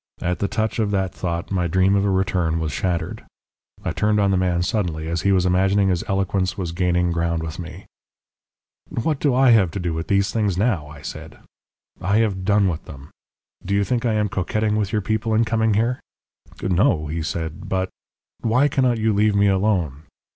At the touch of that thought my dream of a return was shattered. I turned on the man suddenly, as he was imagining his eloquence was gaining ground with me. "'What have I to do with these things now?' I said. 'I have done with them. Do you think I am coquetting with your people in coming here?' "'No,' he said; 'but ' "'Why cannot you leave me alone?